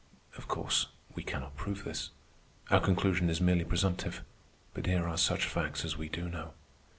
Of course, we cannot prove this. Our conclusion is merely presumptive. But here are such facts as we do know.